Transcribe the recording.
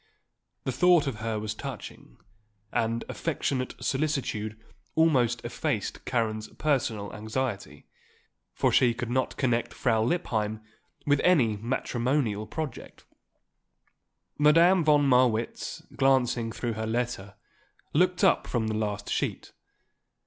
The thought of her was touching, and affectionate solicitude almost effaced Karen's personal anxiety; for she could not connect Frau Lippheim with any matrimonial project. Madame von Marwitz, glancing through her letter, looked up from the last sheet.